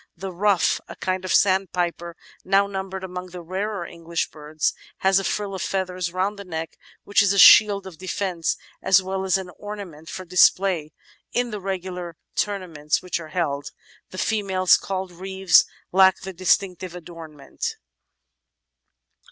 The Ruff, a kind of sandpiper now numbered among the rarer English birds, has a frill of feathers round the neck, which is a shield of defence as well as an ornament for display in the regular tournaments which are held; the females, called reeves, lack the distinctive adornment.